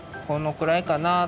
これくらいかな。